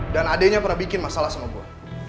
dan adeknya pernah bikin masalah sama gue